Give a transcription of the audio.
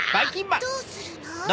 どうするの？